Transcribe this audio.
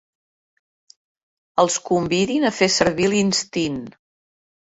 Els convidin a fer servir l'instint.